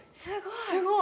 すごい！